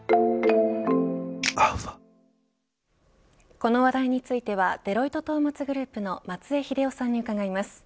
この話題についてはデロイトトーマツグループの松江英夫さんに伺います。